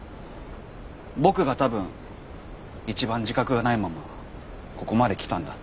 僕が多分一番自覚がないままここまで来たんだ。